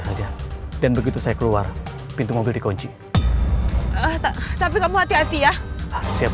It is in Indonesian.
saja dan begitu saya keluar pintu mobil dikunci tapi kamu hati hati ya siap